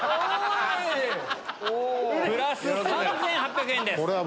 プラス３８００円です。